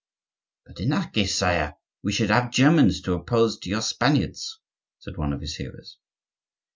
"But in that case, sire, we should have Germans to oppose to your Spaniards," said one of his hearers.